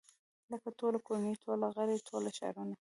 لکه ټوله کورنۍ ټول غړي ټول ښارونه.